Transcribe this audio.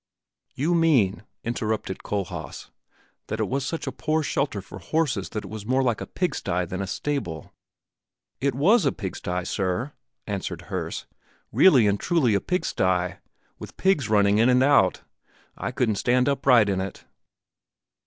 "You mean," interrupted Kohlhaas, "that it was such a poor shelter for horses that it was more like a pigsty than a stable?" "It was a pigsty, Sir," answered Herse; "really and truly a pigsty, with the pigs running in and out; I couldn't stand upright in it."